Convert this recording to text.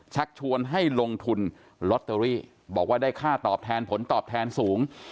ชักชวนให้ลงทุนลอตเตอรี่บอกว่าได้ค่าตอบแทนผลตอบแทนสูง